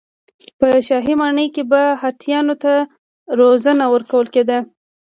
په شاهي ماڼۍ کې به هاتیانو ته روزنه ورکول کېده.